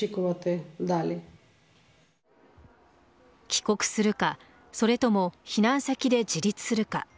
帰国するかそれとも避難先で自立するか。